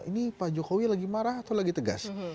ini pak jokowi lagi marah atau lagi tegas